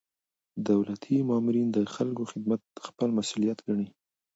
دولتي مامورین د خلکو خدمت خپل مسؤلیت ګڼي.